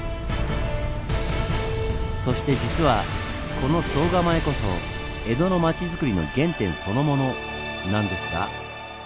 そして実はこの総構こそ江戸の町づくりの原点そのものなんですが。